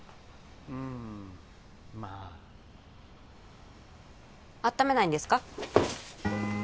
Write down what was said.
うんまああっためないんですか？